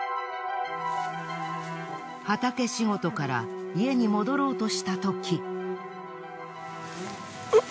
畑仕事から家に戻ろうとしたとき。